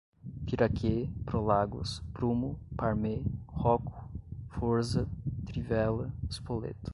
Piraquê, Prolagos, Prumo, Parmê, Rocco, Forza, Trivella, Spoleto